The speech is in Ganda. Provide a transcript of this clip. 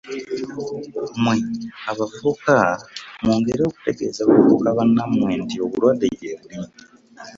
Mmwe abavubuka mwongere okutegeeza bavubuka bannammwe nti obulwadde gyebuli